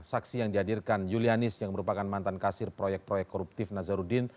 saksi yang dihadirkan julianis yang merupakan mantan kasir proyek proyek koruptif nazarudin